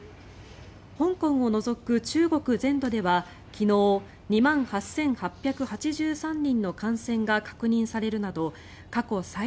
香港を除く中国全土では昨日２万８８８３人の感染が確認されるなど過去最多に迫る勢いです。